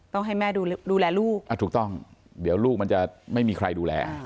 ต้องให้แม่ดูแลลูกถูกต้องเดี๋ยวลูกมันจะไม่มีใครดูแล